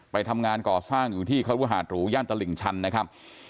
ไปทำงานก่อสร้างอยู่ที่ครุหาดหรูย่านตลิ่งชันนะครับ